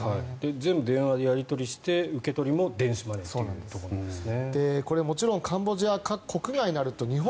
全部電話でやり取りして受け取りも電子マネーというところですね。